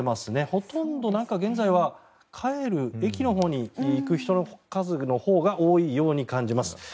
ほとんど現在は帰る駅のほうに行く人の数のほうが多いように感じます。